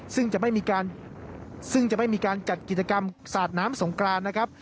ซึ่งจะไม่มีการจัดกิจกรรมศาสตร์น้ำสงกรานนะคะ